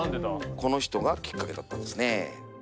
この人がきっかけだったんですね。